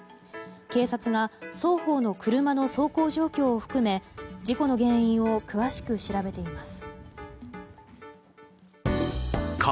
警察が双方の車の走行状況を含め事故の原因を詳しく調べています。